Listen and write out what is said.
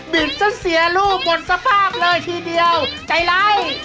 บิดจะเสียรูปบนสภาพเลยทีเดียวใจไร้